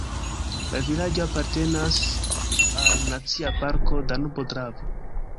La vilaĝo apartenas al Nacia parko Danubo-Dravo.